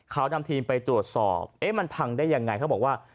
เขานำทีมไปตรวจสอบมันผังได้อย่างไรเขาบอกว่า